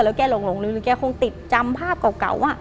แล้วแกหลงลืมแกคงติดจำภาพเก่า